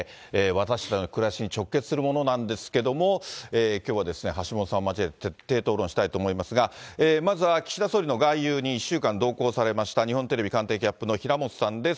私たちの暮らしに直結するものなんですけれども、きょうはですね、橋下さんを交えて、徹底討論したいと思いますが、まずは岸田総理の外遊に１週間同行されました、日本テレビ官邸キャップの平本さんです。